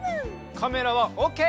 カメラはオッケー？